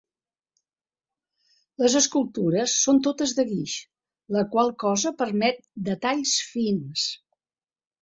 Les escultures són totes de guix, la qual cosa permet detalls fins.